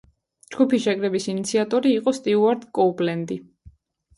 ჯგუფის შეკრების ინიციატორი იყო სტიუარტ კოუპლენდი.